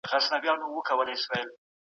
پاروونکې ایډیولوژي ده، چي د نړۍ او سیمي د